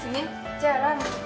じゃあラン